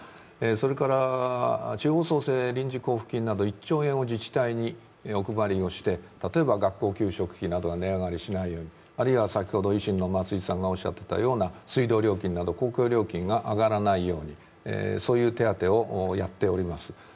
それから地方創生臨時交付金など１兆円を自治体にお配りをして例えば、学校給食費などが値上がりしないように、あるいは先ほど維新の松井さんがおっしゃったような水道料金など公共料金が上がらないように、そういう手当をやっております。